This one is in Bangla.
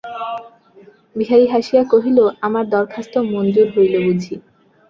বিহারী হাসিয়া কহিল, আমার দরখাস্ত মজ্ঞুর হইল বুঝি।